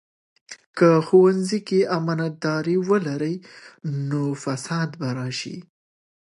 که ښوونځي کې امانتداري ولري، نو فساد به راسي.